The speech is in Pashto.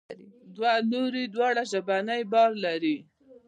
دوه لوري دواړه ژبنی بار لري.